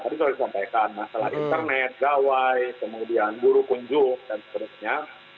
tadi sudah disampaikan masalah internet gawai kemudian guru kunjung dan seterusnya